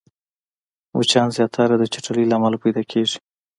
مچان زياتره د چټلۍ له امله پيدا کېږي